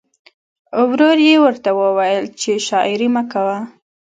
ورور یې ورته وویل چې شاعري مه کوه